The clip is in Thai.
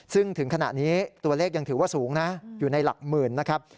ซึ่งถึงขณะนี้ตัวเลขยังถือว่าสูงนะอยู่ในหลักหมื่นนะครับ